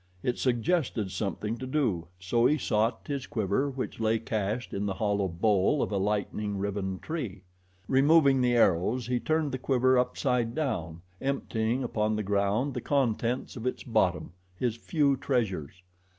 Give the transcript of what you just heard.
It suggested something to do, so he sought his quiver which lay cached in the hollow bole of a lightning riven tree. Removing the arrows he turned the quiver upside down, emptying upon the ground the contents of its bottom his few treasures.